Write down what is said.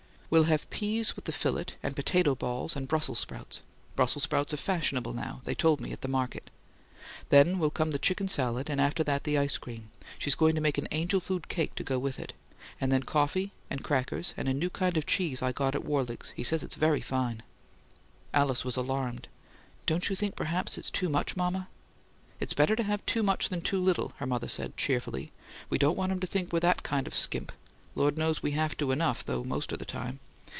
We'll have peas with the fillet, and potato balls and Brussels sprouts. Brussels sprouts are fashionable now, they told me at market. Then will come the chicken salad, and after that the ice cream she's going to make an angel food cake to go with it and then coffee and crackers and a new kind of cheese I got at Worlig's, he says is very fine." Alice was alarmed. "Don't you think perhaps it's too much, mama?" "It's better to have too much than too little," her mother said, cheerfully. "We don't want him to think we're the kind that skimp. Lord knows we have to enough, though, most of the time!